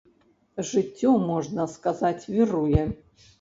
Жыццё, можна сказаць, віруе.